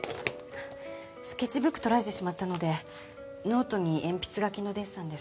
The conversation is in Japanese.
スケッチブック盗られてしまったのでノートに鉛筆描きのデッサンですけど。